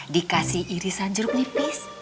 dikasih irisan jeruk nipis